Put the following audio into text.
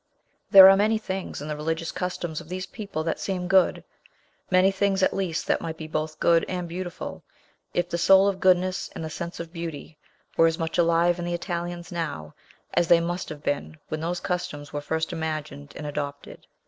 There are many things in the religious customs of these people that seem good; many things, at least, that might be both good and beautiful, if the soul of goodness and the sense of beauty were as much alive in the Italians now as they must have been when those customs were first imagined and adopted.